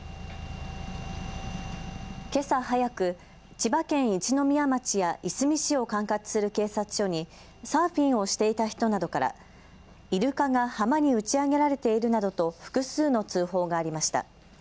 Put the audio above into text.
けさ早く千葉県一宮町やいすみ市を管轄する警察署にサーフィンをしていた人などからイルカが浜に打ち上げられているなどと複数の通報がありました。